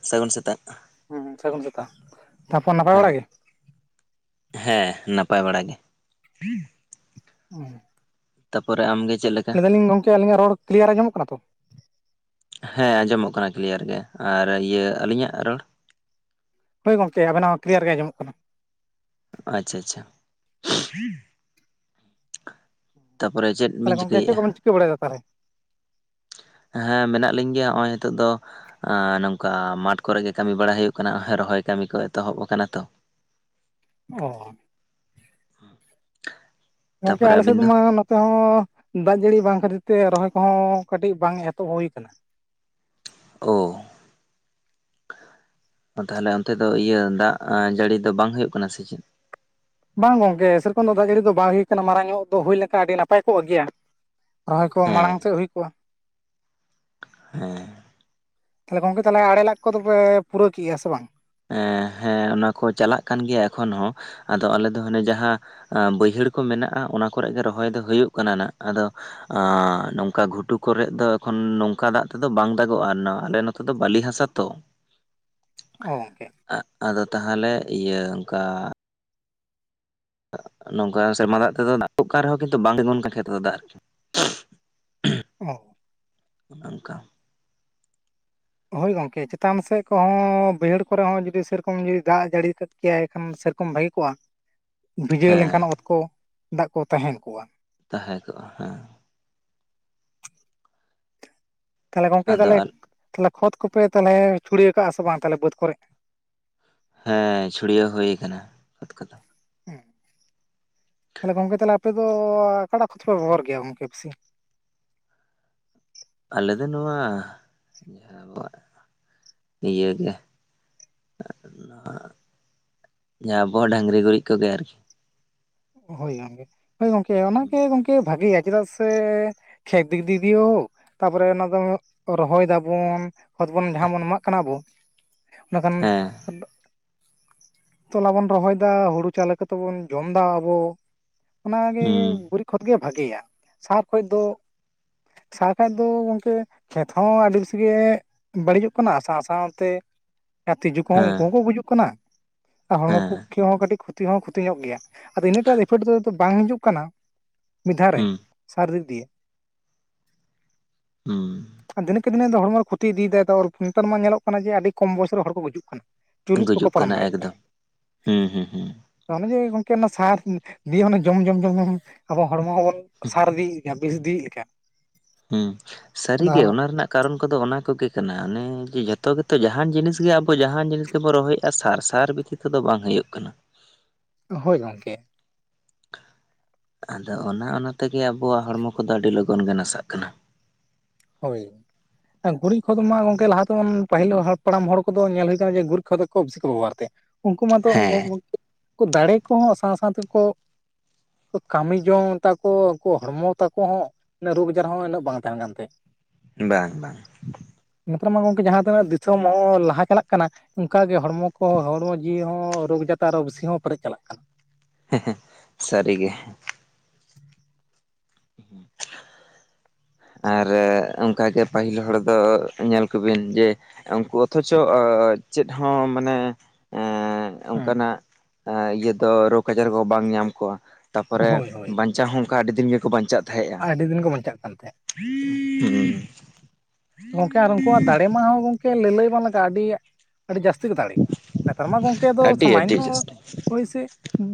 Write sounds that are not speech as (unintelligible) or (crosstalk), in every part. ᱥᱟᱹᱜᱩᱱ ᱥᱮᱛᱟᱜ ᱦᱩᱸ ᱥᱟᱹᱜᱩᱱ ᱥᱮᱛᱟᱜ ᱛᱟᱨᱯᱚᱨ ᱱᱟᱯᱟᱭ ᱵᱟᱲᱟ ᱦᱳᱭ ᱜᱮ ᱦᱮᱸ ᱱᱟᱯᱟᱭ ᱵᱟᱲᱟ ᱜᱮ (inaudible) ᱛᱟᱯᱚᱨᱮ ᱟᱢᱜᱮ ᱪᱮᱫ ᱞᱮᱠᱟ᱾ ᱞᱟᱹᱭ ᱫᱟᱞᱤᱧ ᱜᱚᱝᱠᱮ ᱟᱹᱞᱤᱧ ᱟᱜ ᱨᱚᱲ ᱠᱞᱤᱭᱟᱨ ᱟᱸᱡᱚᱢᱚᱜ ᱠᱟᱱᱟ ᱛᱚ ᱦᱮᱸ ᱟᱸᱡᱚᱢᱚᱜ ᱠᱟᱱᱟ ᱠᱞᱤᱭᱟᱨ ᱜᱮ ᱟᱨ ᱤᱭᱟᱹ ᱟᱹᱞᱤᱧᱟᱜ ᱨᱚᱲ ᱦᱳᱭ ᱜᱚᱢᱠᱮ ᱟᱹᱵᱤᱱᱟᱜ ᱦᱚᱸ ᱠᱞᱤᱭᱟᱨ ᱜᱮ ᱟᱸᱚᱢᱚᱜ ᱠᱟᱱᱟ᱾ ᱟᱪᱪᱷᱟ ᱟᱪᱪᱷᱟ ᱛᱟᱯᱚᱨᱮ ᱪᱮᱫ ᱵᱤᱱ ᱛᱟᱦᱚᱞᱮ ᱜᱚᱝᱠᱮ ᱪᱮᱫ ᱪᱤᱠᱟᱹᱭᱮᱫᱼᱟ ᱠᱚᱵᱮᱱ ᱪᱤᱠᱟᱹ ᱵᱟᱲᱟᱭᱫᱟ ᱛᱟᱦᱞᱮ ᱦᱮᱸ ᱢᱮᱱᱟᱜ ᱞᱤᱧ ᱜᱮᱭᱟ ᱱᱚᱜ-ᱚᱭ ᱱᱤᱛᱚᱜ ᱫᱚ ᱱᱚᱝᱠᱟ ᱢᱟᱴᱷ ᱠᱚᱨᱮ ᱜᱮ ᱠᱟᱹᱢᱤ ᱵᱟᱲᱟ ᱦᱩᱭᱩᱜ ᱠᱟᱱᱟ ᱨᱚᱦᱚᱭ ᱠᱟᱹᱢᱤ ᱠᱚ ᱮᱛᱚᱦᱚᱵ ᱟᱠᱟᱱᱟ ᱛᱚ ᱚᱸ ᱟᱪᱪᱷᱟ (inaudible) ᱜᱚᱝᱠᱮ ᱟᱞᱮ ᱥᱮᱫ ᱢᱟ ᱱᱚᱛᱮ ᱦᱚᱸ ᱫᱟᱜ ᱡᱟᱹᱲᱤ ᱵᱟᱝ ᱠᱷᱟᱹᱛᱤᱨ ᱛᱮ ᱨᱚᱦᱚᱭ ᱠᱚᱦᱚᱸ ᱠᱟᱹᱴᱤᱡ ᱵᱟᱝ ᱮᱛᱚᱦᱚᱵ ᱦᱩᱭ ᱟᱠᱟᱱᱟ᱾ ᱳ ᱛᱟᱦᱚᱞᱮ ᱚᱱᱛᱮ ᱫᱚ ᱤᱭᱟᱹ ᱫᱟᱜ ᱡᱟᱹᱲᱤ ᱫᱚ ᱵᱟᱝ ᱦᱩᱭᱩᱜ ᱠᱟᱱᱟ ᱥᱮ ᱪᱮᱫ? ᱵᱟᱝ ᱜᱚᱝᱠᱮ ᱥᱮᱨᱚᱠᱚᱢ ᱫᱚ ᱫᱟᱜ ᱡᱟᱹᱲᱤ ᱫᱚ ᱵᱟᱝ ᱦᱩᱭ ᱟᱠᱟᱱᱟ ᱢᱟᱨᱟᱝ ᱧᱚᱜ ᱫᱚ ᱦᱩᱭ ᱞᱮᱱᱠᱷᱟᱱ ᱟᱹᱰᱤ ᱱᱟᱯᱟᱭ ᱠᱚᱜ ᱜᱮᱭᱟ ᱨᱚᱦᱚᱭ ᱠᱚ ᱦᱮᱸ ᱢᱟᱲᱟᱝ ᱛᱮ ᱦᱩᱭ ᱠᱚᱜᱼᱟ᱾ ᱦᱮᱸ ᱛᱟᱦᱚᱞᱮ ᱜᱚᱝᱠᱮ ᱛᱟᱦᱚᱞᱮ ᱟᱲᱮ ᱞᱟᱜᱚ ᱠᱚᱫᱚ ᱯᱮ ᱯᱩᱨᱟᱹ ᱠᱮᱫᱼᱟ ᱥᱮ ᱵᱟᱝ ᱦᱮᱸ ᱚᱱᱟᱠᱚ ᱪᱟᱞᱟᱜ ᱠᱟᱱ ᱜᱮᱭᱟ ᱮᱠᱷᱚᱱ ᱦᱚᱸ ᱟᱫᱚ ᱟᱞᱮ ᱫᱚ ᱦᱟᱱᱮ ᱡᱟᱦᱟᱸ ᱵᱟᱹᱭᱦᱟᱹᱲ ᱠᱚ ᱢᱮᱱᱟᱜᱼᱟ ᱚᱱᱟ ᱠᱚᱨᱮᱜ ᱜᱮ ᱨᱚᱦᱚᱭ ᱫᱚ ᱦᱩᱭᱩᱜ ᱠᱟᱱᱟ ᱦᱟᱜ ᱟᱫᱚ ᱟᱜᱸ ᱱᱚᱝᱠᱟ ᱜᱷᱩᱴᱩ ᱠᱚᱨᱮ ᱫᱚ ᱮᱠᱷᱚᱱ ᱱᱚᱝᱠᱟ ᱫᱟᱜ ᱛᱮᱫᱚ ᱵᱟᱝ ᱫᱟᱜᱚᱜᱼᱟ ᱟᱞᱮ ᱱᱚᱛᱮ ᱱᱚᱛᱮ ᱫᱚ ᱵᱟᱹᱞᱤ ᱦᱟᱥᱟ ᱛᱚ ᱚᱸ ᱜᱚᱝᱠᱮ ᱟᱫᱚ ᱛᱟᱦᱚᱞᱮ ᱤᱭᱟᱹ ᱚᱱᱠᱟ ᱱᱚᱝᱠᱟᱱ ᱥᱮᱨᱢᱟ ᱫᱟᱜ ᱛᱮᱫ ᱚᱠᱟ ᱨᱮᱦᱚ ᱸ ᱠᱤᱱᱛᱩ ᱵᱟᱝ ᱛᱤᱸᱜᱩᱱ ᱠᱟᱱᱟ ᱠᱷᱮᱛ ᱨᱮᱫᱚ ᱫᱟᱜ ᱫᱚ ᱚ ᱚᱝᱠᱟ ᱦᱳᱭ ᱜᱚᱝᱠᱮ ᱪᱮᱛᱟᱱ ᱥᱮᱜ ᱠᱚᱦᱚᱸ ᱵᱟᱹᱭᱦᱟᱹᱲ ᱠᱚᱨᱮ ᱦᱚᱸ ᱡᱩᱫᱤ ᱥᱮᱨᱚᱠᱚᱢ ᱡᱩᱫᱤ ᱫᱟᱜᱽ ᱡᱟᱹᱲᱤ ᱠᱮᱭᱟᱭ ᱠᱷᱟᱱ ᱥᱮᱨᱚᱠᱚᱢ ᱵᱷᱟᱜᱤ ᱠᱚᱜᱼᱟ ᱵᱷᱡᱟᱹᱣ ᱞᱮᱱᱠᱷᱟᱱ ᱦᱮᱸ ᱚᱛ ᱠᱚ ᱫᱟᱜᱽ ᱠᱚ ᱛᱟᱦᱮᱸᱱ ᱠᱚᱜᱼᱟ᱾ ᱛᱟᱦᱮᱸ ᱠᱚᱜᱼᱟ ᱦᱮᱸ, ᱛᱟᱦᱚᱞᱮ ᱜᱚᱝᱠᱮ ᱟᱫᱚ ᱛᱟᱦᱞᱮ ᱠᱷᱚᱛ ᱠᱚᱯᱮ ᱛᱟᱦᱚᱞᱮ ᱪᱷᱩᱲᱤᱭᱟᱹ ᱠᱟᱜᱼᱟ ᱥᱮ ᱵᱟᱝ ᱛᱟᱦᱞᱮ ᱵᱟᱹᱫᱽ ᱠᱚᱨᱮ? ᱦᱮᱸ ᱪᱷᱩᱲᱭᱟᱹᱣ ᱦᱩᱭ ᱠᱟᱱᱟ ᱠᱷᱚᱛ ᱠᱚᱫᱚ᱾ ᱦᱮᱸ ᱛᱟᱦᱚᱞᱮ ᱜᱚᱝᱠᱮ ᱛᱟᱦᱞᱮ ᱟᱯᱮ ᱫᱚ ᱚᱠᱟᱴᱟᱜ ᱠᱷᱚᱛ ᱯᱮ ᱵᱮᱵᱚᱦᱟᱨ ᱜᱮᱭᱟ ᱜᱚᱝᱠᱮ ᱟᱯᱮᱥᱮᱜ? ᱟᱞᱮ ᱫᱚ ᱱᱚᱣᱟ ᱡᱟᱦᱟᱸ ᱟᱵᱚᱣᱟᱜ, ᱤᱭᱟᱹᱜᱮ ᱱᱚᱣᱟ᱾ ᱡᱟᱦᱟᱸ ᱟᱵᱚᱣᱟᱜ ᱰᱟᱝᱨᱤ ᱜᱩᱨᱤᱜ ᱠᱚᱜᱮ ᱟᱨᱠᱤ, ᱦᱳᱭ ᱜᱚᱝᱠᱮ ᱦᱳᱭ ᱜᱚᱝᱠᱮ ᱚᱱᱟᱜᱮ ᱜᱚᱝᱠᱮ ᱵᱷᱟᱜᱮᱭᱟ ᱪᱮᱫᱟᱜ ᱥᱮ ᱠᱷᱮᱛ ᱫᱤ ᱫᱤ ᱫᱤᱭᱚ ᱛᱟᱨᱯᱚᱨᱮ ᱚᱱᱟ ᱫᱚ ᱨᱚᱦᱚᱭ ᱫᱟᱵᱚᱱ ᱠᱷᱚᱛ ᱵᱚᱱ ᱡᱟᱦᱟᱸ ᱵᱚᱱ ᱮᱢᱟᱜ ᱠᱟᱱᱟ ᱵᱚ ᱚᱱᱟᱠᱷᱟᱱ ᱦᱮᱸ ᱛᱚᱞᱟ ᱵᱚᱱ ᱨᱚᱦᱚᱭ ᱫᱟ ᱦᱩᱲᱩ ᱪᱟᱣᱞᱮ ᱠᱟᱛᱮ ᱵᱚᱱ ᱡᱚᱢᱫᱟ ᱟᱵᱚ, ᱚᱱᱟᱜᱮ ᱦᱩᱸ ᱜᱩᱨᱤᱜ ᱠᱷᱚᱛ ᱜᱮ ᱵᱷᱟᱜᱮᱭᱟ᱾ ᱥᱟᱨ ᱠᱷᱚᱭ ᱫᱚ ᱥᱟᱨ ᱠᱷᱟᱭ ᱫᱚ ᱜᱚᱝᱠᱮ ᱠᱷᱮᱛ ᱦᱚᱸ ᱟᱹᱰᱤ ᱵᱮᱥᱤ ᱜᱮ ᱵᱟᱹᱲᱤᱡᱚᱜ ᱠᱟᱱᱟ ᱥᱟᱶᱼᱥᱟᱶ ᱛᱮ ᱟᱨ ᱛᱤᱡᱩ ᱠᱚᱦᱚᱸ ᱩᱱᱠᱩ ᱦᱮᱸ ᱦᱚᱸᱠᱚ ᱜᱩᱡᱩᱜ ᱠᱟᱱᱟ ᱟᱨ ᱦᱚᱲᱢᱚ ᱦᱮᱸ ᱯᱚᱠᱠᱷᱮ ᱦᱚᱸ ᱠᱟᱹᱴᱤᱜ ᱠᱷᱚᱛᱤ ᱦᱚᱸ ᱠᱷᱚᱛᱤ ᱧᱚᱜ ᱜᱮᱭᱟ᱾ ᱟᱫᱚ ᱤᱱᱟᱹᱴᱟᱜ ᱤᱯᱷᱮᱠᱴ ᱫᱚ ᱫᱚ ᱵᱟᱝ ᱦᱤᱡᱩᱜ ᱠᱟᱱᱟ ᱢᱤᱫ ᱫᱷᱟᱣ ᱨᱮ ᱦᱩᱸ ᱥᱟᱨ ᱫᱤᱠ ᱫᱤᱭᱮ, ᱦᱩᱸ ᱟᱫᱚᱤᱱᱜ (unintelligible) ᱦᱚᱲᱢᱚ ᱠᱷᱚᱛᱤ ᱤᱫᱤ ᱫᱟᱭ ᱛᱚ ᱱᱮᱛᱟᱨ ᱢᱟ ᱧᱮᱞᱚᱜ ᱠᱟᱱᱟ ᱡᱮ ᱟᱹᱰᱤ ᱠᱚᱢ ᱵᱚᱭᱚᱥ ᱨᱮ ᱦᱚᱲ ᱠᱚ ᱜᱩᱡᱩᱜ ᱠᱟᱱᱟ᱾ ᱪᱚᱞᱞᱤᱥ ᱵᱟᱠᱚ ᱜᱩᱡᱩᱜ ᱯᱟᱨᱚᱢ ᱠᱟᱱᱟ ᱮᱠᱫᱚᱢ ᱦᱩᱸ ᱦᱩᱸ ᱦᱩᱸ᱾ ᱛᱚ ᱚᱱᱮ ᱡᱮ ᱜᱚᱝᱠᱮ ᱚᱱᱟ ᱥᱟᱨ ᱫᱤᱭᱮ ᱡᱚᱢ ᱡᱚᱢ ᱡᱚᱢ ᱡᱚᱢᱟᱵᱚ ᱦᱚᱲᱢᱚ ᱦᱚᱸᱵᱚᱱ ᱥᱟᱨ ᱤᱫᱤᱭᱮᱜ ᱠᱟᱱ ᱵᱤᱥ ᱤᱫᱤᱭᱮᱜ ᱞᱮᱠᱟ, ᱦᱩᱸ ᱟᱫᱚ ᱥᱟᱹᱨᱤᱜᱮ ᱚᱱᱟ ᱨᱮᱱᱟᱜ ᱠᱟᱨᱚᱱ ᱠᱚᱫᱚ ᱚᱱᱟ ᱠᱚᱜᱮ ᱠᱟᱱᱟ ᱚᱱᱮ ᱡᱮ ᱡᱚᱛᱚ ᱜᱮᱛᱚ ᱡᱟᱦᱟᱸᱱ ᱡᱤᱱᱤᱥ ᱜᱮ ᱟᱵᱚ ᱡᱟᱦᱟᱸᱱ ᱡᱤᱱᱤᱥ ᱜᱮᱵᱚᱱ ᱨᱚᱦᱚᱭ ᱮᱜᱼᱟ ᱥᱟᱨ ᱥᱟᱨ ᱵᱷᱤᱛᱤ ᱠᱚᱫᱚ ᱵᱟᱝ ᱦᱩᱭᱩᱜ ᱠᱟᱱᱟ᱾ ᱦᱳᱭ ᱜᱚᱝᱠᱮ, ᱟᱫᱚ ᱚᱱᱟ ᱚᱱᱟ ᱛᱮᱜᱮ ᱟᱵᱚᱣᱟᱜ ᱦᱚᱲᱢᱚ ᱠᱚᱫᱚ ᱟᱹᱰᱤ ᱞᱚᱜᱚᱱ ᱜᱮ ᱱᱟᱥᱟᱜ ᱠᱟᱱᱟ᱾ ᱦᱳᱭ, ᱜᱩᱨᱤᱜ ᱠᱷᱚᱛ ᱢᱟ ᱜᱚᱝᱠᱮ ᱞᱟᱦᱟᱛᱮᱵᱚᱱ ᱯᱟᱹᱦᱤᱞ ᱦᱟᱯᱲᱟᱢ ᱦᱚᱲ ᱠᱚᱫᱚ ᱧᱮᱞ ᱦᱩᱭ ᱠᱟᱱᱟ ᱡᱮ ᱜᱩᱨᱤᱜ ᱠᱷᱚᱛ (unintelligible) ᱵᱤᱥᱤ ᱠᱚ ᱵᱮᱵᱚᱦᱟᱨ ᱛᱮ᱾ ᱩᱱᱠᱩ ᱢᱟᱛᱚ ᱦᱮᱸ (unintelligible) ᱫᱟᱲᱮ ᱠᱚᱦᱚᱸ ᱥᱟᱶᱼᱥᱟᱶ ᱛᱮᱠᱚ ᱩᱱᱠᱚ ᱠᱟᱹᱢᱤ ᱡᱚᱝ ᱛᱟᱠᱚ ᱩᱱᱠᱩ ᱦᱚᱲᱢᱚ ᱛᱟᱠᱚ ᱦᱚᱸ᱾ ᱩᱱᱟᱹᱜ ᱨᱳᱜᱽ ᱟᱡᱟᱨ ᱦᱚᱸ ᱩᱱᱟᱹᱜ ᱵᱟᱝ ᱛᱟᱦᱮᱸᱱ ᱠᱟᱱ ᱛᱮ, ᱵᱟᱝ ᱵᱟᱝ᱾ ᱱᱮᱛᱟᱨ ᱢᱟ ᱜᱚᱝᱠᱮ ᱡᱟᱦᱟᱸ ᱛᱤᱱᱟᱹᱜ ᱫᱤᱥᱚᱢ ᱦᱚᱸ ᱞᱟᱦᱟ ᱪᱟᱞᱟᱜ ᱠᱟᱱᱟ ᱚᱝᱠᱟᱜᱮ ᱦᱚᱲᱢᱚ ᱠᱚᱦᱚᱸ ᱦᱚᱲᱢᱚ ᱡᱤᱣᱤ ᱦᱚᱸ ᱨᱳᱜᱽ ᱡᱟᱛᱟ ᱟᱨᱚ ᱵᱤᱥᱤ ᱦᱚᱸ ᱯᱮᱨᱮᱜ ᱪᱟᱞᱟᱜ ᱠᱟᱱᱟ᱾ ᱦᱮᱸᱦᱮᱸ ᱥᱟᱨᱤᱜᱮ᱾ ᱟᱨ ᱚᱝᱠᱟ ᱜᱮ ᱯᱟᱹᱦᱤᱞ ᱦᱚᱲ ᱫᱚ ᱧᱮᱞ ᱠᱚᱵᱤᱱ ᱡᱮ ᱩᱱᱠᱩ ᱚᱛᱷᱚᱪᱚ ᱟᱸᱻᱪᱮᱫ ᱦᱚᱸ ᱢᱟᱱᱮ ᱮᱸᱻ ᱦᱮᱸ ᱚᱝᱠᱟᱱᱟᱜ ᱤᱭᱟᱹ ᱫᱚ ᱨᱳᱜᱽ ᱟᱡᱟᱨ ᱠᱚ ᱵᱟᱝ ᱧᱟᱢ ᱠᱚᱣᱟ ᱛᱟᱯᱚᱨᱮ ᱦᱳᱭ ᱵᱟᱧ ᱪᱟᱣ ᱦᱚᱸ ᱚᱱᱠᱟ ᱟᱹᱰᱤ ᱫᱤᱱ ᱜᱮᱠᱚ ᱵᱟᱧᱪᱟᱜ ᱟᱨ ᱟᱹᱰᱤ ᱫᱤᱱ ᱠᱚ ᱵᱟᱧᱪᱟᱜ ᱠᱟᱱ ᱛᱟᱦᱮᱸᱜ᱾ ᱦᱩᱸ ᱦᱩᱸ, ᱜᱚᱝᱠᱮ ᱟᱨ ᱩᱱᱠᱩᱣᱟᱜ ᱫᱟᱲᱮ ᱢᱟ ᱦᱚᱸ ᱜᱚᱝᱠᱮ ᱞᱟᱹᱞᱟᱹᱭ ᱵᱟᱝ ᱞᱟᱜᱟ-ᱟ ᱟᱹᱰᱤ ᱟᱹᱰᱤ ᱡᱟᱹᱥᱛᱤ ᱜᱮ ᱫᱟᱲᱮ, ᱱᱮᱛᱟᱨ ᱢᱟ ᱜᱚᱝᱠᱮ ᱟᱫᱚ ᱟᱹᱰᱤ ᱟᱹᱰᱤ ᱥᱟᱢᱟᱱᱱᱚ, ᱡᱟᱹᱥᱛᱤ ᱦᱳᱭ ᱥᱮ᱾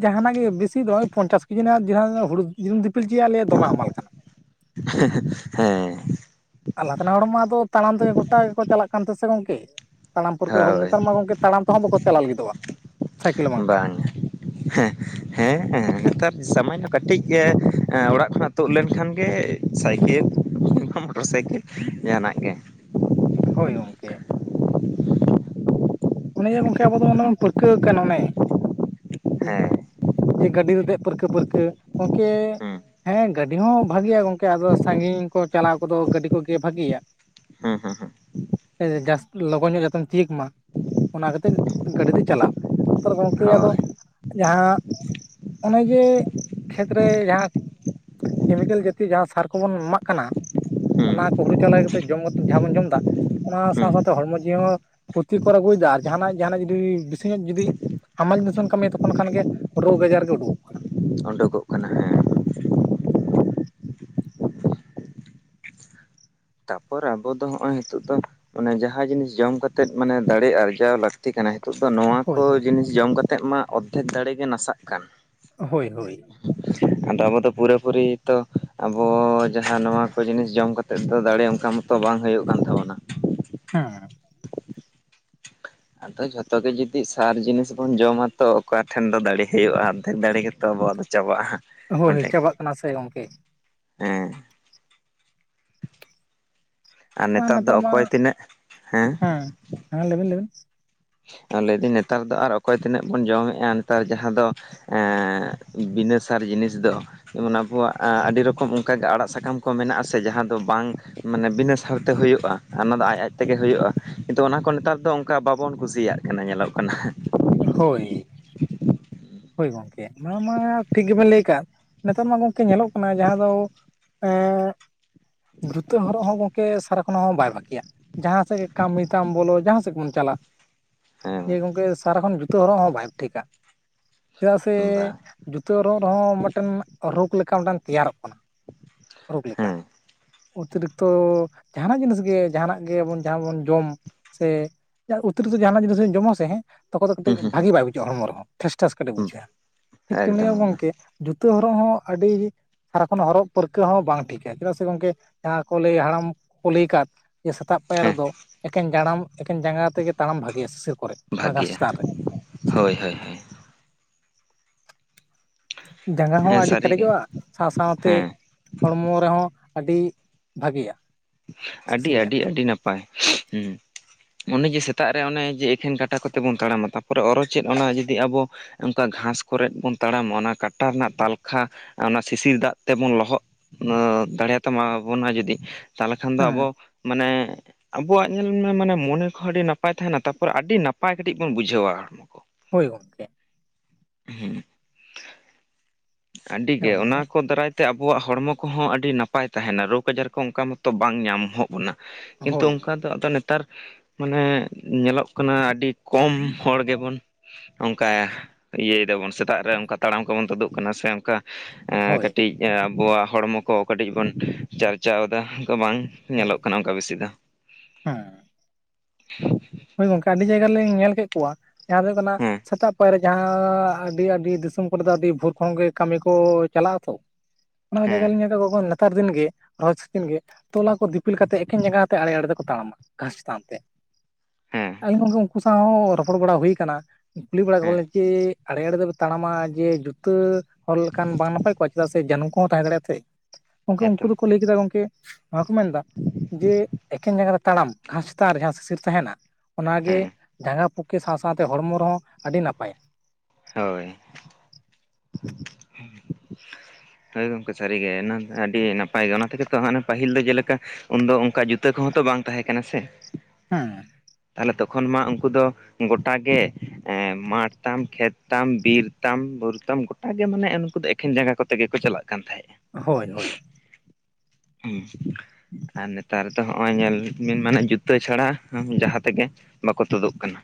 ᱡᱟᱦᱟᱱᱟᱜ ᱜᱮ ᱵᱮᱥᱤ ᱫᱚ ᱵᱟᱝ ᱳᱭ ᱯᱚᱧᱪᱟᱥ ᱠᱮᱡᱤ ᱱᱟᱜ (inaudible) ᱦᱩᱲᱩ ᱡᱩᱫᱤᱢ ᱫᱤᱯᱤᱞ ᱪᱚᱭᱟ ᱞᱟᱹᱭᱟ ᱫᱚᱢᱮ ᱦᱟᱢᱟᱞ ᱠᱟᱱᱟ᱾ (inaudible) ᱦᱮᱸ᱾ ᱟᱨ ᱞᱟᱦᱟᱛᱮ ᱨᱮᱱ ᱦᱚᱲ ᱢᱟ ᱟᱫᱚ ᱛᱟᱲᱟᱢ ᱛᱮᱜᱮ ᱜᱚᱴᱟ ᱜᱮᱠᱚ ᱪᱟᱞᱟᱜ ᱠᱟᱱ ᱛᱟᱦᱮᱸᱜ ᱥᱮ ᱜᱚᱝᱠᱮ᱾ ᱛᱟᱲᱟᱢ ᱯᱟᱹᱨᱠᱟᱹᱣ ᱦᱚᱲ, ᱦᱳᱭ ᱱᱮᱛᱟᱨ ᱢᱟ ᱜᱚᱝᱠᱮ ᱛᱟᱲᱟᱢ ᱛᱮᱦᱚᱸ ᱵᱟᱠᱚ ᱪᱟᱞᱟᱣ ᱞᱟᱹᱜᱤᱫᱚᱜᱼᱟ, ᱥᱟᱭᱠᱮᱞ ᱵᱟᱝᱠᱷᱟᱱ᱾ ᱵᱟᱝ ᱦᱮᱸ᱾ ᱦᱮᱸ ᱮᱸ ᱱᱮᱛᱟᱨ ᱥᱟᱢᱟᱱᱱᱚ ᱠᱟᱹᱴᱤᱡ-ᱮ ᱮᱸ ᱚᱲᱟᱜ ᱠᱷᱚᱱᱟᱜ ᱛᱳᱫ ᱞᱮᱱᱠᱷᱟᱱ ᱜᱮ ᱥᱟᱭᱠᱮᱞ, ᱱᱚᱝᱠᱟ ᱢᱚᱴᱚᱨ ᱥᱟᱭᱠᱮᱞ ᱡᱟᱦᱟᱱᱟᱜ ᱜᱮ᱾ ᱦᱳᱭ ᱜᱚᱝᱠᱮ᱾ ᱚᱱᱮ ᱡᱮ ᱜᱚᱝᱠᱮ ᱟᱵᱚ ᱫᱚ ᱚᱱᱮ ᱵᱚᱱ ᱯᱟᱹᱨᱠᱟᱹᱣ ᱟᱠᱟᱱ ᱚᱱᱮ, ᱦᱮᱸ ᱡᱮ ᱜᱟᱹᱰᱤ ᱨᱮ ᱫᱮᱡ ᱯᱟᱹᱨᱠᱟᱹ ᱯᱟᱹᱨᱠᱟᱹ ᱜᱚᱝᱠᱮ ᱦᱩᱸ ᱦᱮᱸ ᱜᱟᱹᱰᱤ ᱦᱚᱸ ᱵᱷᱟᱜᱮᱭᱟ ᱜᱚᱝᱠᱮ ᱟᱫᱚ ᱥᱟᱺᱜᱤᱧ ᱠᱚ ᱪᱟᱞᱟᱣ ᱠᱚᱫᱚ ᱜᱟᱹᱰᱤ ᱠᱚᱜᱮ ᱵᱷᱟᱹᱜᱮᱭᱟ᱾ ᱦᱮᱸ ᱦᱮᱸ᱾ ᱮ ᱡᱟᱥ ᱞᱚᱜᱚᱱ ᱧᱚᱜ ᱡᱟᱛᱮᱢ ᱛᱤᱭᱟᱹᱜ ᱢᱟ᱾ ᱚᱱᱟ ᱠᱷᱟᱛᱤᱨ ᱜᱟᱹᱰᱤ ᱛᱮ ᱪᱟᱞᱟᱣ, ᱦᱮᱛᱟᱨ ᱜᱚᱝᱠᱮ ᱟᱫᱚ ᱦᱳᱭ ᱡᱟᱦᱟᱸ, ᱚᱱᱮ ᱡᱮ ᱠᱷᱮᱛᱨᱮ ᱡᱟᱦᱟᱸ, ᱠᱮᱢᱤᱠᱮᱞ ᱡᱟᱛᱤᱭᱚ ᱡᱟᱦᱟᱸ ᱥᱟᱨ ᱠᱚᱵᱚᱱ ᱮᱢᱟᱜ ᱠᱟᱱᱟ, ᱦᱩᱸ ᱚᱱᱟ ᱠᱚ ᱦᱩᱲᱩ ᱪᱟᱣᱞᱮ ᱠᱟᱛᱮᱫ ᱡᱚᱢ ᱠᱟᱛᱮ ᱡᱟᱦᱟᱸ ᱵᱚᱱ ᱡᱚᱢ ᱮᱫᱟ, ᱚᱱᱟ ᱦᱩᱸ ᱥᱟᱶ ᱥᱟᱶᱛᱮ ᱦᱚᱲᱢᱚ ᱡᱤᱣᱤ ᱦᱚᱸ ᱠᱷᱚᱛᱤ ᱠᱚᱨ ᱟᱹᱜᱩᱭᱮᱫᱟ ᱟᱨ ᱡᱟᱦᱟᱱᱟᱜ ᱡᱟᱦᱟᱱᱟᱜ ᱡᱩᱫᱤ ᱵᱤᱥᱤ ᱧᱚᱜ ᱡᱩᱫᱤ ᱦᱟᱢᱟᱞ ᱡᱤᱱᱤᱥ ᱵᱮᱱ ᱠᱟᱹᱢᱤᱭᱟ ᱛᱚᱠᱷᱚᱱ ᱠᱷᱟᱱ ᱜᱮ ᱨᱳᱜᱽ ᱟᱡᱟᱨ ᱜᱮ ᱩᱰᱩᱠᱚᱜ ᱠᱟᱱᱟ᱾ ᱳᱰᱳᱠᱚᱜ ᱠᱟᱱᱟ ᱦᱮᱸ᱾ ᱛᱟᱯᱚᱨ ᱟᱵᱚ ᱫᱚ ᱦᱚᱸᱜᱼᱚᱭ ᱦᱤᱛᱚᱜ ᱫᱚ ᱢᱟᱱᱮ ᱡᱟᱦᱟᱸ ᱡᱤᱱᱤᱥ ᱡᱚᱢ ᱠᱟᱛᱮᱫ ᱢᱟᱱᱮ ᱫᱟᱲᱮ ᱟᱨᱡᱟᱣ ᱞᱟᱹᱠ ᱛᱤ ᱠᱟᱱᱟ ᱱᱤᱛᱚᱜ ᱫᱚ ᱱᱚᱣᱟ ᱠᱚ ᱦᱳᱭ ᱦᱳᱭ ᱡᱤᱱᱤᱥ ᱡᱚᱢ ᱠᱟᱛᱮᱫ ᱢᱟ ᱚᱫᱫᱷᱮᱠ ᱫᱟᱲᱮ ᱜᱮ ᱱᱟᱥᱟᱜ ᱠᱟᱱ᱾ ᱦᱳᱭ ᱦᱳᱭ᱾ ᱟᱫᱚ ᱟᱵᱚ ᱯᱩᱨᱟᱹᱯᱩᱨᱤ ᱛᱚ ᱟᱵᱚ ᱡᱟᱦᱟᱸ ᱱᱚᱣᱟ ᱠᱚ ᱡᱤᱱᱤᱥ ᱡᱚᱢ ᱠᱟᱛᱮᱫ ᱫᱚ ᱫᱟᱲᱮ ᱚᱱᱠᱟ ᱢᱚ ᱛᱚ ᱵᱟᱝ ᱦᱩᱭᱩᱜ ᱠᱟᱱ ᱛᱟᱵᱚᱱᱟ᱾ ᱦᱮᱸ᱾ ᱟᱫᱚ ᱡᱷᱚᱛᱚ ᱜᱮ ᱡᱩᱫᱤ ᱥᱟᱨ ᱡᱤᱱᱤᱥ ᱵᱚᱱ ᱡᱚᱢᱟ ᱛᱚ ᱚᱠᱟ ᱴᱷᱮᱱ ᱫᱚ ᱫᱟᱲᱮ ᱦᱩᱭᱩᱜᱼᱟ, ᱚᱫᱫᱷᱮᱠ ᱫᱟᱲᱮ ᱜᱮᱛᱚ ᱟᱵᱚᱣᱟᱜ ᱫᱚ ᱪᱟᱵᱟᱜᱼᱟ ᱦᱟᱸᱜ᱾ ᱦᱳᱭ ᱪᱟᱵᱟᱜ ᱠᱟᱱᱟ ᱥᱮ ᱜᱚᱝᱠᱮ᱾ ᱦᱮᱸ᱾ ᱟᱨ ᱱᱮᱛᱟᱨ ᱫᱚ ᱚᱠᱚᱭ ᱛᱤᱱᱟᱹᱜ, ᱦᱮᱸ? ᱦᱮᱸ ᱞᱟᱹᱭ ᱵᱤᱱ ᱞᱟᱹᱭ ᱵᱤᱱ᱾ ᱞᱟᱹᱭ ᱫᱟᱹᱧ ᱱᱮᱛᱟᱨ ᱫᱚ ᱟᱨ ᱚᱠᱚᱭ ᱛᱤᱱᱟᱹᱜ ᱵᱚᱱ ᱡᱚᱢᱮᱜᱼᱟ ᱱᱮᱛᱟᱨ ᱡᱟᱦᱟᱸ ᱫᱚ ᱮᱸ ᱵᱤᱱᱟᱹ ᱥᱟᱨ ᱡᱤᱱᱤᱥ ᱫᱚ᱾ ᱡᱮᱢᱚᱱ ᱟᱵᱚᱣᱟᱜ ᱟ ᱟᱹᱰᱤ ᱨᱚᱠᱚᱢ ᱚᱱᱠᱟᱜᱮ ᱟᱲᱟᱜ ᱥᱟᱠᱟᱢ ᱠᱚ ᱢᱮᱱᱟᱜ-ᱟ ᱥᱮ ᱡᱟᱦᱟᱸ ᱫᱚ ᱵᱟᱝ ᱢᱟᱱᱮ ᱵᱤᱱᱟᱹ ᱥᱟᱨᱛᱮ ᱦᱩᱭᱩᱜᱼᱟ ᱟᱨ ᱚᱱᱟ ᱫᱚ ᱟᱡ ᱟᱡ ᱛᱮᱜᱮ ᱦᱩᱭᱩᱜᱼᱟ, ᱠᱤᱱᱛᱩ ᱚᱱᱟ ᱠᱚ ᱱᱮᱛᱟᱨ ᱫᱚ ᱚᱱᱠᱟ ᱵᱟ ᱵᱚᱱ ᱠᱩᱥᱤᱭᱟᱜ ᱠᱟᱱᱟ ᱧᱮᱞᱚᱜ ᱠᱟᱱᱟ᱾ ᱦᱳᱭ᱾ ᱦᱳᱭ ᱜᱚᱝᱠᱮ, ᱚᱱᱟ ᱢᱟ ᱴᱷᱤᱠ ᱜᱮᱵᱮᱱ ᱞᱟᱹᱭ ᱟᱠᱟᱫ, ᱱᱤᱛᱟᱨ ᱢᱟ ᱜᱚᱝᱠᱮ ᱧᱮᱞᱚᱜ ᱠᱟᱱᱟ ᱡᱟᱦᱟᱸ ᱫᱚ ᱮᱸ ᱡᱩᱛᱟᱹ ᱦᱚᱨᱚᱜ ᱦᱚᱸ ᱜᱚᱝᱠᱮ ᱥᱟᱨᱟᱠᱷᱚᱱᱚᱜ ᱦᱚᱸ ᱵᱟᱭ ᱵᱷᱟᱜᱮᱭᱟ᱾ ᱡᱟᱦᱟᱸ ᱥᱮᱫ ᱜᱮ ᱠᱟᱹᱢᱤ ᱛᱟᱢ ᱵᱚᱞᱚ ᱡᱟᱦᱟᱸ ᱥᱮᱫ ᱜᱮᱵᱚᱱ ᱪᱟᱞᱟᱜ ᱦᱮᱸ᱾ ᱦᱮᱸ ᱜᱚᱝᱠᱮ ᱥᱟᱨᱟ ᱠᱷᱚᱱ ᱡᱩᱛᱟᱹ ᱦᱚᱨᱚᱜ ᱦᱚᱸ ᱵᱟᱭ ᱴᱷᱤᱠᱟ᱾ ᱪᱮᱫᱟᱜ ᱥᱮ ᱵᱟᱝ ᱡᱩᱛᱟᱹ ᱦᱚᱨᱚᱜ ᱨᱮᱦᱚᱸ ᱢᱤᱫᱴᱮᱱ ᱨᱳᱜᱽ ᱞᱮᱠᱟ ᱢᱤᱫᱴᱟᱝ ᱛᱮᱭᱟᱨᱚᱜ ᱠᱟᱱᱟ᱾ ᱨᱳᱜᱽ ᱞᱮᱠᱟ ᱦᱮᱸ ᱚᱛᱤᱨᱤᱠᱛᱚ ᱡᱟᱦᱟᱱᱟᱜ ᱡᱤᱱᱤᱥ ᱜᱮ ᱡᱟᱦᱟᱱᱟᱜ ᱜᱮᱵᱚᱱ ᱡᱟᱦᱟᱸ ᱵᱚᱱ ᱡᱚᱢ᱾ ᱥᱮ ᱚᱛᱤᱨᱤᱛᱚ ᱡᱟᱦᱟᱱᱟᱜ ᱡᱤᱱᱤᱥ ᱡᱚᱢ ᱟ ᱥᱮ᱾ ᱛᱚᱠᱷᱚᱱ ᱫᱚ ᱦᱩᱸ ᱠᱟᱹᱴᱤᱡ ᱵᱷᱟᱹᱜᱤ ᱵᱟᱭ ᱵᱩᱡᱷᱟᱹᱜᱼᱟ ᱦᱚᱲᱢᱚ ᱨᱮᱦᱚᱸ ᱴᱮᱥ ᱴᱮᱥ ᱠᱟᱹᱴᱤᱡ ᱦᱩᱸ ᱵᱩᱡᱷᱟᱹᱜᱼᱟ ᱴᱷᱤᱠ ᱛᱮᱢ ᱮᱠᱫᱚᱢ ᱞᱟᱹᱭᱼᱟ ᱮᱠᱫᱚᱢ ᱜᱚᱝᱠᱮ᱾ ᱡᱩᱛᱟᱹ ᱦᱚᱨᱚᱜ ᱦᱚᱸ ᱟᱹᱰᱤ᱾ ᱥᱟᱨᱟ ᱠᱷᱚᱱ ᱦᱚᱨᱚᱜ ᱯᱟᱹᱨᱠᱟᱹᱣ ᱦᱚᱸ ᱵᱟᱝ ᱴᱷᱤᱠᱟ ᱪᱮᱫᱟᱜ ᱥᱮ ᱜᱚᱝᱠᱮ ᱡᱟᱦᱟᱸ ᱠᱚ ᱞᱟᱹᱭ ᱦᱟᱲᱟᱢ ᱠᱚ ᱞᱟᱹᱭ ᱟᱠᱟᱫ᱾ ᱡᱮ ᱥᱮᱛᱟᱜ ᱯᱟᱭᱟᱨ ᱦᱮᱸ ᱨᱮᱫᱚ ᱮᱠᱷᱮᱱ ᱡᱟᱲᱟᱢ ᱮᱠᱷᱮᱱ ᱡᱟᱸᱜᱟ ᱛᱮᱜᱮ ᱛᱟᱲᱟᱢ ᱵᱷᱟᱹᱜᱤᱭᱟ ᱥᱤᱥᱤᱨ ᱠᱚᱨᱮ ᱚᱱᱟ ᱜᱷᱟᱥ ᱵᱷᱟᱜᱮᱭᱟ ᱪᱮᱛᱟᱱ ᱨᱮ᱾ ᱦᱳᱭ - ᱦᱳᱭ ᱼ ᱦᱳᱭ᱾ ᱡᱟᱸᱜᱟ ᱦᱚᱸ ᱦᱮᱸ ᱟᱹᱰᱤ ᱥᱟᱹᱨᱤᱜᱮ ᱠᱮᱴᱮᱡᱚᱜᱼᱟ ᱥᱟᱶ-ᱥᱟᱶ ᱛᱮ᱾ ᱦᱮᱸ ᱦᱚᱲᱢᱚ ᱨᱮᱦᱚᱸ ᱟᱹᱰᱤ ᱵᱷᱟᱹᱜᱤᱭᱟ᱾ ᱟᱹᱰᱤ ᱟᱹᱰᱤ ᱟᱹᱰᱤ ᱱᱟᱯᱟᱭ ᱦᱩᱸ᱾ ᱚᱱᱮ ᱡᱮ ᱥᱮᱛᱟᱜ ᱨᱮ ᱚᱱᱮ ᱡᱮ ᱮᱠᱷᱮᱱ ᱠᱟᱴᱟ ᱠᱚᱛᱮ ᱵᱚᱱ ᱛᱟᱲᱟᱢᱟ ᱛᱟᱨᱯᱚᱨᱮ ᱚᱨ ᱪᱮᱫ ᱚᱱᱟ ᱡᱩᱫᱤ ᱟᱵᱚ᱾ ᱚᱱᱠᱟ ᱜᱷᱟᱥ ᱠᱚᱨᱮᱜ ᱵᱚᱱ ᱛᱟᱲᱟᱢᱟ ᱚᱱᱟ ᱠᱟᱴᱟ ᱨᱮᱱᱟᱜ ᱛᱟᱞᱠᱷᱟ ᱚᱱᱟ ᱥᱤᱥᱤᱨ ᱫᱟᱜ ᱛᱮᱵᱚᱱ ᱞᱚᱦᱚᱫ᱾ ᱫᱟᱲᱮᱭᱟᱛᱟ ᱢᱟ ᱵᱚᱱᱟ ᱡᱩᱚᱫᱤ ᱛᱟᱦᱚᱞᱮ ᱠᱷᱟᱱ ᱫᱚ ᱦᱮᱸ ᱟᱵᱚ ᱢᱟᱱᱮ᱾ ᱟᱵᱚᱣᱟᱜ ᱧᱮᱞ ᱢᱮ ᱢᱟᱱᱮ ᱢᱚᱱᱮ ᱠᱚᱦᱚᱸ ᱟᱹᱰᱤ ᱱᱟᱯᱟᱭ ᱛᱟᱦᱮᱱᱟ ᱛᱟᱯᱚᱨ ᱟᱹᱰᱤ ᱱᱟᱯᱟᱭ ᱠᱟᱹᱴᱤᱡ ᱵᱚᱱ ᱵᱩᱡᱷᱟᱹᱣᱟ ᱦᱚᱲᱢᱚ ᱠᱚ᱾ ᱦᱳᱭ ᱜᱚᱝᱠᱮ᱾ ᱦᱮᱸ᱾ ᱟᱹᱰᱤ ᱦᱮᱸ ᱜᱮ ᱚᱱᱟ ᱢᱟ ᱠᱚ ᱫᱟᱨᱟᱭ᱾ ᱛᱮ ᱟᱵᱚᱣᱟᱜ ᱦᱚᱲᱢᱚ ᱠᱚᱦᱚᱸ ᱟᱹᱰᱤ ᱱᱟᱯᱟᱭ ᱛᱟᱦᱮᱱᱟ ᱨᱳᱜᱽ ᱟᱡᱟᱨ ᱠᱚ ᱚᱱᱠᱟ ᱢᱚᱛᱚ ᱵᱟᱝ ᱧᱟᱢᱚᱜ᱾ ᱵᱚᱱᱟ ᱠᱤᱱᱛᱩ ᱦᱳᱭ ᱚᱱᱠᱟ᱾ ᱱᱤᱛᱚᱜ ᱟᱫᱚ ᱱᱮᱛᱟᱨ ᱢᱟᱱᱮ ᱧᱮᱞᱚᱜ ᱠᱟᱱᱟ ᱟᱹᱰᱤ ᱠᱚᱢ ᱦᱚᱲ ᱜᱮᱵᱚᱱ᱾ ᱚᱱᱠᱟᱭᱟ ᱤᱭᱟᱹᱭ ᱫᱟᱵᱚᱱ ᱥᱮᱛᱟᱜ ᱨᱮ ᱚᱱᱠᱟ ᱛᱟᱲᱟᱢ ᱠᱚᱵᱚᱱ ᱛᱩᱫᱩᱜ᱾ ᱠᱟᱱᱟ ᱥᱮ ᱚᱱᱠᱟ ᱦᱳᱭ ᱠᱟᱹᱴᱤᱡ᱾ ᱟᱵᱚᱣᱟᱜ ᱦᱚᱲᱢᱚ ᱠᱚ ᱠᱟᱹᱴᱤᱡ ᱵᱚᱱ ᱪᱟᱨᱪᱟᱣ ᱫᱟ ᱵᱟᱝ ᱦᱳᱭ ᱧᱮᱞᱚᱜ ᱠᱟᱱᱟ ᱚᱱᱠᱟ ᱵᱤᱥᱤ ᱫᱚ᱾ ᱦᱮᱸ (unintelligible) ᱦᱳᱭ ᱜᱚᱝᱠᱮ ᱟᱹᱰᱤ ᱡᱟᱭᱜᱟ ᱨᱮᱞᱤᱧ ᱧᱮᱞ ᱠᱮᱫ ᱠᱚᱣᱟ ᱡᱟᱦᱟᱸ ᱫᱚ ᱦᱩᱭᱩᱜ ᱠᱟᱱᱟ ᱦᱮᱸ ᱥᱮᱛᱟᱜ ᱯᱟᱭᱟᱨ᱾ ᱡᱟᱦᱟᱸ ᱟᱹᱰᱤ ᱟᱹᱰᱤ ᱫᱤᱥᱚᱢ ᱠᱚᱨᱮ ᱫᱚ ᱟᱹᱰᱤ ᱵᱷᱳᱨ ᱠᱷᱚᱱ ᱜᱮ ᱠᱟᱹᱢᱤ ᱠᱚ ᱪᱟᱞᱟᱜ ᱟ ᱛᱚ᱾ ᱚᱱᱟ ᱦᱚᱸ ᱦᱮᱸ ᱡᱟᱭᱜᱟ ᱞᱤᱧ ᱧᱮᱞ ᱜᱚᱜᱚᱱᱟ᱾ ᱱᱮᱛᱟᱨ ᱫᱤᱱ ᱜᱮ ᱨᱚᱦᱚᱭ ᱥᱤᱡᱤᱱ ᱜᱮ ᱛᱚᱞᱟ ᱠᱚ ᱫᱤᱯᱤᱞ ᱠᱟᱛᱮ ᱮᱠᱮᱱ ᱡᱟᱸᱜᱟᱛᱮ ᱟᱲᱮ ᱟᱲᱮ ᱫᱚᱠᱚ ᱛᱟᱲᱟᱢᱟ ᱜᱷᱟᱥ ᱪᱮᱛᱟᱱ ᱛᱮ᱾ ᱦᱮᱸ ᱟᱞᱤᱝ ᱜᱟᱝᱠᱮ ᱩᱱᱠᱩ ᱥᱟᱶ ᱦᱚᱸ ᱨᱚᱯᱚᱲ ᱵᱟᱲᱟ ᱦᱩᱭ ᱠᱟᱱᱟ᱾ ᱠᱩᱞᱤ ᱵᱟᱲᱟ ᱠᱚ ᱦᱮᱸ ᱞᱤᱧ ᱡᱮ ᱟᱲᱮ ᱟᱲᱮ ᱫᱚᱯᱮ ᱛᱟᱲᱟᱢᱟ ᱡᱮ ᱡᱩᱛᱟᱹ᱾ ᱦᱚᱲ ᱞᱮᱠᱷᱟᱱ ᱵᱟᱝ ᱱᱟᱯᱟᱭ ᱠᱚᱜ ᱪᱮᱫᱟᱜ ᱥᱮ ᱡᱟᱹᱱᱩ ᱠᱚᱦᱚᱸ ᱛᱟᱦᱮᱸ ᱫᱟᱲᱮᱭᱟ ᱛᱮ᱾ ᱜᱚᱝᱠᱮ ᱩᱱᱠᱩ ᱦᱮᱸᱛᱚ ᱫᱚᱠᱚ ᱞᱟᱹᱭ ᱠᱮᱫᱟ ᱜᱚᱝᱠᱮ ᱱᱚᱭᱟ ᱠᱚ ᱢᱮᱱᱫᱟ᱾ ᱡᱮ ᱮᱠᱮᱱ ᱡᱟᱸᱜᱟ ᱛᱮ ᱛᱟᱲᱟᱢ ᱜᱷᱟᱥᱛᱟ ᱡᱟᱦᱟᱸ ᱥᱤᱥᱤᱨ᱾ ᱛᱟᱦᱮᱱᱟ ᱚᱱᱟᱜᱮ ᱦᱮᱸ ᱡᱟᱸᱜᱟ ᱯᱩᱠᱠᱷᱮ ᱥᱟᱶ ᱥᱟᱶᱛᱮ ᱦᱚᱲᱢᱚ ᱨᱮᱦᱚᱸ ᱟᱹᱰᱤ ᱱᱟᱯᱟᱭᱟ᱾ ᱦᱳᱭ᱾ ᱦᱳᱭ ᱜᱚᱝᱠᱮ ᱥᱟᱹᱨᱤ ᱜᱮ ᱟᱹᱰᱤ ᱱᱟᱯᱟᱭ ᱜᱮ ᱚᱱᱟ ᱛᱮᱜᱮ ᱛᱚ ᱯᱟᱹᱦᱤᱞ ᱫᱚ ᱡᱮᱞᱮᱠᱟ᱾ ᱩᱱᱫᱚ ᱚᱱᱠᱟ ᱡᱩᱛᱟᱹ ᱠᱚᱦᱚᱸ ᱛᱚ ᱵᱟᱝ ᱛᱟᱦᱮᱸ ᱠᱟᱱᱟ ᱥᱮ? ᱦᱮᱸ᱾ ᱛᱟᱦᱚᱞᱮ ᱛᱚᱠᱷᱚᱱ ᱢᱟ ᱩᱱᱠᱩ ᱫᱚ᱾ ᱜᱚᱴᱟ ᱜᱮ ᱢᱟᱴᱷ ᱛᱟᱢ ᱠᱷᱮᱛ ᱛᱟᱢ ᱵᱤᱨ ᱛᱟᱢ ᱵᱩᱨᱩ ᱛᱟᱢ᱾ ᱜᱚᱴᱟ ᱜᱮ ᱢᱟᱱᱮ ᱩᱱᱠᱩ ᱫᱚ ᱮᱠᱷᱮᱱ ᱡᱟᱸᱜᱟ ᱠᱚᱛᱮ ᱜᱮᱠᱚ ᱪᱟᱞᱟᱜ ᱠᱟᱱ ᱛᱟᱦᱮᱸᱫ᱾ ᱦᱳᱭ ᱦᱳᱭ᱾ ᱟᱨ ᱱᱮᱛᱟᱨ ᱫᱚ ᱦᱚᱸᱜᱼᱚᱭ ᱧᱮᱞ ᱵᱤᱱ ᱢᱟᱱᱮ ᱡᱩᱛᱟᱹ ᱪᱷᱟᱰᱟ᱾ ᱦᱩᱢ ᱡᱟᱦᱟᱸ ᱛᱮᱜᱮ ᱵᱟᱠᱚ ᱛᱩᱫᱩᱜ ᱠᱟᱱᱟ᱾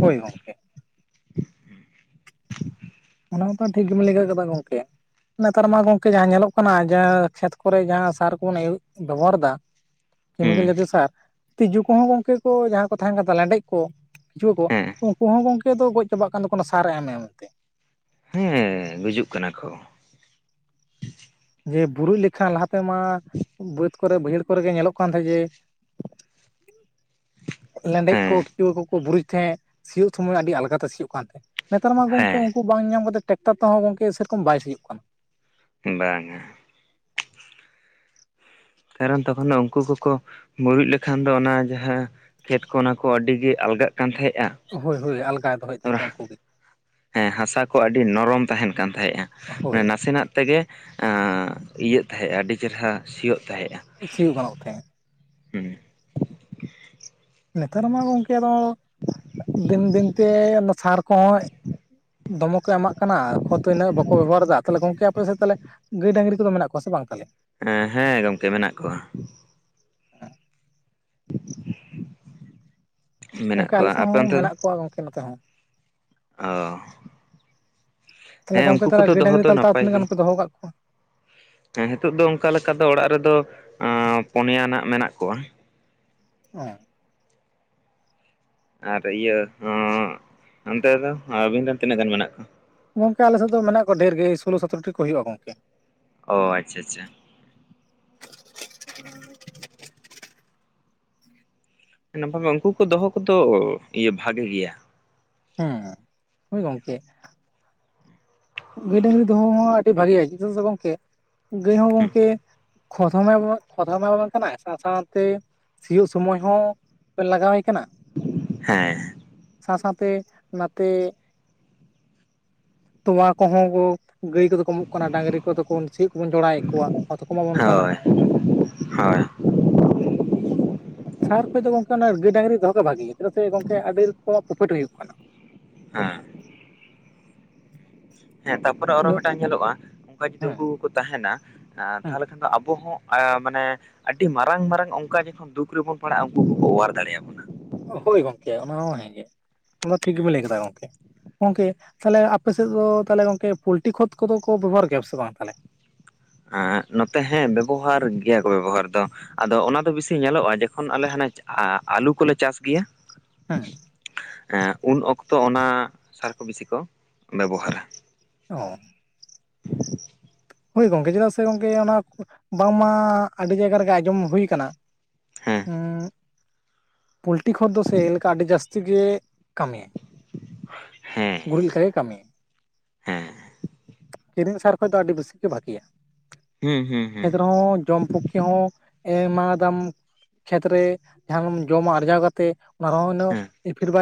ᱦᱳᱭ ᱜᱚᱝᱠᱮ (inaudible) ᱚᱱᱟ ᱢᱟᱛᱚ ᱴᱷᱤᱠ ᱜᱮᱵᱮᱱ ᱞᱟᱹᱭ ᱠᱟᱫᱟ ᱜᱚᱝᱠᱮᱼᱼ ᱱᱮᱛᱟᱨ ᱢᱟ ᱜᱚᱝᱠᱮ ᱡᱟᱦᱟᱸ ᱧᱮᱞᱚᱜ ᱠᱟᱱᱟ ᱡᱟᱦᱟᱸ ᱠᱷᱮᱛ ᱠᱚᱨᱮ ᱡᱟᱦᱟᱸ ᱥᱟᱨ ᱠᱚᱵᱚᱱ ᱵᱮᱵᱚᱦᱟᱨ ᱫᱟ, ᱠᱮᱢᱤᱠᱮᱞ ᱦᱩᱸ ᱡᱟᱛᱤᱳ ᱥᱟᱨ ᱛᱤᱡᱩ ᱠᱚᱦᱚᱸ ᱜᱚᱝᱠᱮ ᱠᱚ ᱡᱟᱦᱟᱸ ᱠᱚ ᱛᱟᱦᱮᱱ ᱠᱟᱱ ᱞᱮᱸᱰᱮᱫ ᱠᱚᱼᱼ ᱠᱮᱪᱩᱳ ᱠᱚ ᱦᱮᱸ ᱩᱱᱠᱩ ᱦᱚᱸ ᱜᱚᱝᱠᱮ ᱫᱚ ᱜᱚᱡ ᱪᱟᱵᱟᱜ ᱠᱟᱱ ᱫᱚᱠᱚ ᱥᱟᱨ ᱮᱢ ᱮᱢ ᱛᱮ᱾ ᱦᱮᱸ ᱜᱩᱡᱩᱜ ᱠᱟᱱᱟ ᱠᱚ᱾ ᱡᱮ ᱵᱩᱨᱩᱡ ᱞᱮᱠᱷᱟᱱ ᱞᱟᱦᱟᱛᱮᱢᱟ ᱵᱟᱹᱫᱽ ᱠᱚᱨᱮ ᱵᱟᱹᱭᱦᱟᱹᱲ ᱠᱚᱨᱮᱜ ᱧᱮᱞᱚᱜ ᱠᱟᱱ ᱛᱟᱦᱮᱸᱜ ᱡᱮᱼᱼ (inaudible) ᱞᱮᱸᱰᱮᱫ ᱠᱩ ᱦᱮᱸ ᱠᱤᱭᱩ ᱠᱩᱠᱩ ᱵᱩᱨᱩᱡ ᱛᱟᱦᱮᱸᱜ ᱥᱤᱭᱳᱜ ᱥᱚᱢᱚᱭ ᱟᱹᱰᱤ ᱟᱞᱜᱟᱛᱮ ᱥᱤᱭᱳᱜ ᱠᱟᱱ ᱛᱟᱦᱮᱸᱜ᱾ ᱱᱮᱛᱟᱨ ᱢᱟ ᱜᱚᱝᱠᱮ ᱦᱮᱸ ᱩᱱᱠᱩ ᱵᱟᱝ ᱧᱟᱢ ᱠᱟᱛᱮᱫ ᱴᱮᱠᱴᱟᱨ ᱛᱮᱦᱚᱸ ᱜᱚᱝᱠᱮ ᱥᱮᱨᱚᱠᱚᱢ ᱵᱟᱭ ᱥᱤᱭᱳᱜ ᱠᱟᱱᱟ᱾ ᱵᱟᱝᱼᱟ᱾ ᱠᱟᱨᱚᱱ ᱛᱚ ᱠᱷᱚᱱ ᱫᱚ ᱩᱱᱠᱩ ᱠᱚᱠᱚ ᱢᱩᱨᱩᱡ ᱞᱮᱠᱷᱟᱱ ᱫᱚ ᱚᱱᱟ ᱡᱟᱦᱟᱸᱼᱼ ᱠᱷᱮᱛ ᱠᱚ ᱚᱱᱟ ᱠᱚ ᱟᱹᱰᱤ ᱜᱮ ᱟᱞᱜᱟᱜ ᱠᱟᱱ ᱛᱟᱦᱮᱸᱫᱼᱟ ᱦᱳᱭ ᱦᱳᱭ ᱟᱞᱜᱟᱜ ᱫᱚᱦᱚᱭᱮᱫ ᱛᱟᱦᱮᱸᱟᱠᱚ ᱩᱱᱠᱩ ᱜᱮ᱾ ᱦᱮᱸ ᱦᱟᱥᱟ ᱠᱚ ᱟᱹᱰᱤ ᱱᱚᱨᱚᱢ ᱛᱟᱦᱮᱱ ᱠᱟᱱ ᱛᱟᱦᱮᱸᱜᱼᱟ ᱦᱳᱭ ᱱᱟᱥᱮ ᱱᱟᱜᱼᱼ ᱛᱮᱜᱮ ᱤᱭᱟᱹᱜ ᱛᱟᱦᱮᱸᱜᱼᱟ ᱟᱹᱰᱤ ᱪᱮᱨᱦᱟ ᱥᱤᱭᱚᱜ ᱛᱟᱦᱮᱸᱜᱼᱟ᱾ ᱥᱤ ᱜᱟᱱᱚᱜ ᱛᱟᱦᱮᱸᱜ᱾ ᱦᱩᱸ ᱱᱮᱛᱟᱨ ᱢᱟ ᱜᱚᱢᱠᱮ ᱟᱸᱫᱚ ᱫᱤᱱ ᱫᱤᱱᱛᱮ ᱚᱱᱟ ᱥᱟᱨ ᱠᱚᱦᱚᱸᱼᱼ ᱫᱚᱢᱮ ᱠᱚ ᱮᱢᱟᱜ ᱠᱟᱱᱟ ᱠᱷᱚᱛ ᱫᱚ ᱤᱱᱟᱹᱜ ᱵᱟᱠᱚ ᱵᱮᱵᱚ, ᱦᱟᱨᱮᱫᱟ ᱛᱟᱦᱚᱞᱮ ᱜᱚᱝᱠᱮ ᱟᱯᱮ ᱥᱮᱫ ᱛᱟᱦᱚᱞᱮᱼᱼ ᱜᱟᱹᱭ ᱰᱟᱹᱝᱨᱤ ᱠᱚᱫᱚ ᱢᱮᱱᱟᱜ ᱠᱚᱣᱟ ᱥᱮ ᱵᱟᱝ ᱛᱟᱞᱦᱮ? ᱦᱮᱸ ᱦᱮᱸ ᱜᱚᱝᱠᱮ ᱢᱮᱱᱟᱜ ᱠᱚᱣᱟ᱾ (unintelligible) ᱢᱮᱱᱟᱜ ᱜᱚᱝᱠᱮ ᱠᱚᱣᱟ ᱟᱞᱮᱥᱮᱜ ᱟᱯᱮ ᱦᱚᱸ ᱢᱮᱱᱟᱜ ᱠᱚᱣᱟ ᱜᱚᱝᱠᱮ ᱱᱚᱛᱮ ᱦᱚᱸᱼᱼ ᱚᱸᱻ ᱛᱟᱦᱚᱞᱮ ᱜᱚᱢᱠᱮ ᱛᱟᱦᱚᱞᱮ ᱠᱚᱫᱚ ᱜᱟᱹᱭ ᱫᱚᱦᱚ ᱰᱟᱹᱝᱨᱤ ᱫᱚ ᱛᱟᱞᱠᱟᱣ ᱱᱟᱯᱟᱭ ᱛᱤᱱᱟᱹᱜ ᱜᱮ ᱜᱟᱱᱠᱚ ᱫᱚᱦᱚᱣ ᱠᱟᱜ ᱠᱚᱣᱟ? ᱦᱮᱸ ᱱᱤᱛᱚᱜ ᱫᱚ ᱚᱱᱠᱟ ᱞᱮᱠᱟ ᱫᱚ ᱚᱲᱟᱜ ᱨᱮᱫᱚ ᱟᱸ ᱯᱚᱱᱭᱟᱱᱟᱜ ᱢᱮᱱᱟᱜ ᱠᱚᱣᱟ᱾ ᱚᱸᱻ ᱟᱨ ᱤᱭᱟᱹ ᱦᱚᱸ ᱚᱱᱛᱮ ᱛᱮ ᱟᱹᱵᱤᱱ ᱨᱮᱱ ᱛᱤᱱᱟᱹᱜ ᱜᱟᱱ ᱢᱮᱱᱟᱜ ᱠᱚᱣᱟ? ᱜᱚᱝᱠᱮ ᱟᱞᱮᱫ ᱫᱚ ᱢᱮᱱᱟᱜ ᱠᱚᱣᱟ ᱰᱷᱮᱨ ᱜᱮ ᱥᱳᱞᱳ ᱥᱚᱛᱨᱚ ᱴᱤ ᱠᱚ ᱦᱩᱭᱩᱜᱼᱟ ᱜᱚᱝᱠᱮ, ᱚᱸᱻ ᱟᱪᱪᱷᱟ ᱟᱪᱪᱷᱟ ᱱᱟᱯᱟᱭ ᱩᱱᱠᱩ ᱠᱚ ᱫᱚᱦᱚ ᱠᱚᱫᱚ ᱤᱭᱟᱹ ᱵᱷᱟᱜᱮ ᱜᱮᱭᱟ᱾ ᱦᱮᱸ ᱦᱳᱭ ᱜᱚᱝᱠᱮ ᱜᱟᱹᱭ ᱰᱟᱹᱝᱨᱤ ᱫᱚᱦᱚ ᱦᱚᱸ ᱟᱹᱰᱤ ᱵᱷᱟᱜᱮ ᱪᱮᱫᱟᱜ ᱥᱮ ᱜᱚᱢᱠᱮ ᱜᱟᱹᱭ ᱦᱚᱸ ᱜᱚᱢᱠᱮᱼᱼ ᱠᱷᱚᱛᱚᱢᱮ ᱠᱷᱚᱛᱚᱢᱮ ᱵᱟᱝ ᱠᱟᱱᱟ ᱥᱟᱶ ᱥᱟᱶ ᱛᱮ ᱥᱤᱭᱳᱜ ᱥᱚᱢᱚᱭ ᱦᱚᱸ ᱵᱮ ᱞᱟᱜᱟ ᱣᱭᱟᱭ ᱠᱟᱱᱟ᱾ ᱦᱮᱸᱻ ᱥᱟᱶ ᱥᱟᱶ ᱛᱮ ᱱᱟᱛᱮ ᱛᱚᱣᱟ ᱠᱚᱦᱚᱸ ᱜᱟᱹᱭ ᱠᱚᱫᱚ ᱠᱚ ᱩᱢᱩᱜ ᱠᱟᱱᱟ ᱰᱟᱝᱨᱤ ᱠᱚᱫᱚ ᱠᱚ ᱥᱤᱭᱚᱜ ᱠᱚᱵᱚᱱ ᱡᱚᱲᱟᱭᱮᱜ ᱠᱚᱣᱟ ᱦᱚᱛᱚ ᱠᱚ ᱮᱢᱟᱵᱚᱱ ᱠᱟᱱᱟ᱾ ᱦᱟᱸᱭ ᱥᱟᱦᱟᱨ ᱠᱷᱚᱡ ᱫᱚ ᱜᱚᱝᱠᱮ ᱚᱱᱟ ᱜᱟᱹᱭ ᱰᱟᱝᱨᱤ ᱫᱚᱦᱚ ᱵᱷᱟᱜᱮᱭᱟ ᱪᱮᱫᱟᱜ ᱥᱮ ᱜᱚᱝᱠᱮ ᱟᱹᱰᱤ ᱨᱚᱠᱚᱢᱟᱜ ᱯᱨᱚᱯᱷᱤᱴ ᱦᱩᱭᱩᱜ ᱠᱟᱱᱟ᱾ ᱦᱮᱸᱻ ᱦᱮᱸ ᱛᱟᱯᱚᱨᱮ ᱚᱨᱚ ᱩᱱᱟᱹᱜ ᱢᱤᱫᱴᱟᱝ ᱧᱮᱞᱚᱜᱼᱟ ᱚᱱᱠᱟ ᱡᱚᱫᱤ ᱦᱮᱸ ᱠᱩ ᱠᱚ ᱛᱟᱦᱮᱱᱟ᱾ ᱟᱨ ᱦᱮᱸ ᱛᱟᱦᱞᱮ ᱠᱷᱟᱱ ᱫᱚ ᱟᱵᱚ ᱦᱚᱸ ᱟᱸ ᱢᱟᱱᱮ ᱟᱹᱰᱤ ᱢᱟᱨᱟᱝ ᱢᱟᱨᱟᱝ ᱚᱝᱠᱟ ᱜᱮ᱾ ᱫᱩᱠ ᱨᱮᱵᱚᱱ ᱯᱟᱲᱟᱜ-ᱟ ᱩᱝᱠᱩ ᱜᱮᱠᱚ ᱚᱣᱟᱨ ᱫᱟᱲᱮᱭᱟᱵᱚᱱᱟ᱾ ᱦᱳᱭ ᱜᱚᱢᱴᱝᱠᱮ ᱚᱱᱟ ᱦᱚᱸ ᱦᱮᱸ ᱜᱮ, ᱠᱟᱛᱷᱟ ᱢᱟ ᱴᱷᱤᱠ ᱦᱮᱸ ᱜᱮᱵᱮᱱ ᱞᱟᱹᱭ ᱠᱟᱫᱟ ᱜᱚᱝᱠᱮ᱾ ᱜᱚᱝᱠᱮ ᱛᱟᱦᱞᱮ ᱟᱯᱮ ᱥᱮᱫ ᱫᱚ ᱛᱟᱦᱞᱮ ᱜᱚᱝᱠᱮ ᱯᱳᱞᱴᱤ ᱠᱷᱚᱛ ᱠᱚᱫᱚ ᱠᱚ ᱵᱮᱵᱚᱦᱟᱨ ᱜᱮᱭᱟ ᱯᱮ ᱥᱮ ᱵᱟᱝ ᱛᱟᱦᱞᱮ? ᱟᱸᱜ, ᱱᱚᱛᱮ ᱦᱮᱸ ᱵᱮᱵᱚᱦᱟᱨ ᱜᱮᱭᱟ ᱠᱚ ᱵᱮᱵᱚᱦᱟᱨ ᱫᱚ᱾ ᱟᱫᱚ ᱚᱱᱟ ᱫᱚ ᱵᱮᱴᱤᱥᱤ ᱧᱮᱞᱚᱜ-ᱟ ᱡᱮᱠᱷᱚᱱ ᱟᱞᱮ ᱦᱟᱱᱮ ᱟ-ᱟᱞᱩ ᱠᱚᱞᱮ ᱪᱟᱥ ᱜᱮᱭᱟ᱾ ᱦᱩᱸ᱾ ᱮᱸᱜ ᱩᱱ ᱚᱠᱛᱚ ᱚᱱᱟ ᱥᱟᱨ ᱠᱚ ᱵᱤᱥᱤ ᱠᱚ ᱵᱮᱵᱚᱦᱟᱨᱟ᱾ ᱚ᱾ (inaudible) ᱦᱳᱭ ᱜᱚᱝᱠᱮ, ᱪᱮᱫᱟᱜ ᱥᱮ ᱜᱚᱝᱠᱮ, ᱚᱱᱟ ᱵᱟᱝᱢᱟ ᱟᱹᱰᱤ ᱡᱟᱭᱜᱟ ᱨᱮᱜᱮ ᱟᱸᱡᱚᱢ ᱦᱩᱭ ᱠᱟᱱᱟ᱾ ᱦᱮᱸ ᱩᱸᱜ, ᱯᱳᱞᱴᱤ ᱠᱷᱚᱛ ᱫᱚ ᱥᱮ ᱮᱞᱮᱠᱟ ᱟᱹᱰᱤ ᱡᱟᱹᱥᱛᱤ ᱜᱮ ᱠᱟᱹᱢᱤᱭᱟ᱾ ᱦᱮᱸ᱾ ᱜᱩᱨᱤᱡ ᱞᱮᱠᱟᱜᱮ ᱠᱟᱢᱤᱭᱟ, ᱦᱮᱸ ᱠᱤᱨᱤᱧ ᱥᱟᱨ ᱠᱷᱚᱡᱫᱚ ᱟᱹᱰᱤ ᱵᱤᱥᱤ ᱜᱮ ᱵᱷᱟᱜᱤᱭᱟ᱾ ᱦᱩᱸ ᱦᱩᱸ ᱦᱩᱸ ᱠᱷᱮᱛ ᱨᱮᱦᱚᱸ ᱡᱚᱢ ᱯᱚᱠ ᱠᱷᱮ ᱦᱚᱸ ᱮᱢᱟᱣᱟᱫᱟᱢ ᱠᱷᱮᱛᱨᱮ ᱡᱟᱦᱟᱸᱜᱮᱢ ᱡᱚᱢᱟ ᱟᱨᱡᱟᱣ ᱠᱟᱛᱮ᱾ ᱱᱟᱨᱟ ᱦᱩᱱᱟᱹ ᱦᱮᱸ ᱮᱯᱷᱤᱨ ᱵᱟᱭ